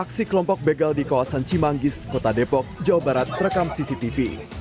aksi kelompok begal di kawasan cimanggis kota depok jawa barat terekam cctv